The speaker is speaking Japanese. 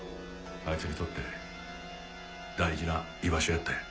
あいつにとって大事な居場所やったんや。